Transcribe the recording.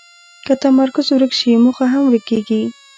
که تمرکز ورک شي، موخه هم ورکېږي.